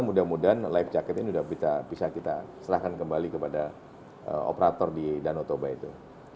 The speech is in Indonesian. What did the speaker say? mudah mudahan life jacket ini sudah bisa kita serahkan kembali kepada operator di danau toba itu